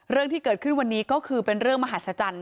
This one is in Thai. เรื่องที่เกิดขึ้นวันนี้ก็คือเป็นเรื่องมหัศจรรย์